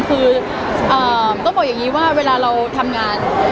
คือก็บอกอย่างนี้ไว้เวลาเราทำงาน